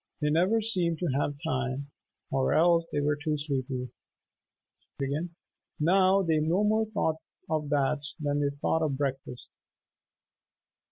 They never seemed to have time, or else they were too sleepy. Now they no more thought of baths than they thought of breakfast.